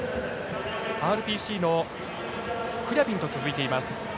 ＲＰＣのクリャビンと続いています。